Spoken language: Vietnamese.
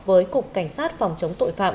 với cục cảnh sát phòng chống tội phạm